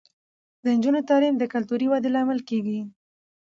د نجونو تعلیم د کلتوري ودې لامل کیږي.